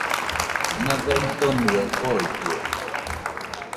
Naga idonɨaɨ oitɨo